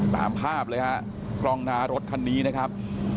ตามภาพเลยฮะกล้องหน้ารถคันนี้นะครับ